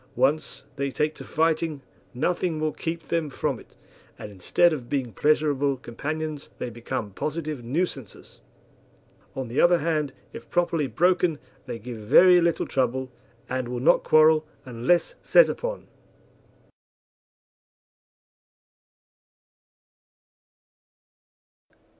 Once they take to fighting nothing will keep them from it, and instead of being pleasurable companions they become positive nuisances. On the other hand, if properly broken they give very little trouble, and will not quarrel unless set upon.